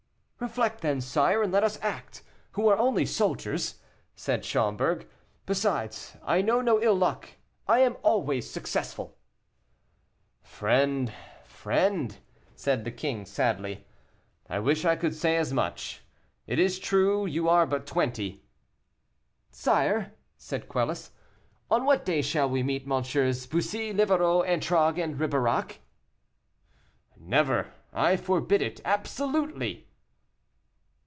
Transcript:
"Reflect, then, sire, and let us act, who are only soldiers," said Schomberg: "besides, I know no ill luck; I am always successful." "Friend, friend," said the king, sadly, "I wish I could say as much. It is true, you are but twenty." "Sire," said Quelus, "on what day shall we meet MM. Bussy, Livarot, Antragues and Ribeirac?" "Never; I forbid it absolutely."